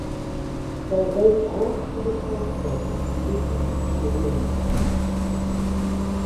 They went out to a crossroad and listened to the wind.